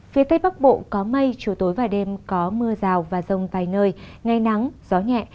phía tây bắc bộ có mây chiều tối và đêm có mưa rào và rông vài nơi ngày nắng gió nhẹ